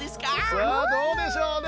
さあどうでしょうね。